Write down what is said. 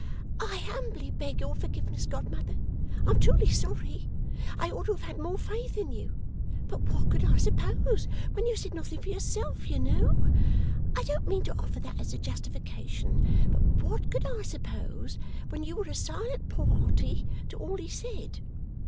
'I humbly beg your forgiveness, godmother. I am truly sorry. I ought to have had more faith in you. But what could I suppose when you said nothing for yourself, you know? I don't mean to offer that as a justification, but what could I suppose, when you were a silent party to all he said?